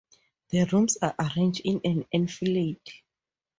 The rooms are arranged in an enfilade.